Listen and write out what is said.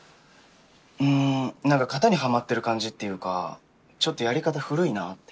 ん何か型にはまってる感じっていうかちょっとやり方古いなって。